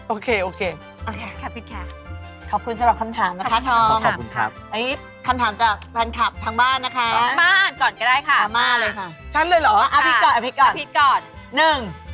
โอเคเพื่อนเราให้ผ่านโอเค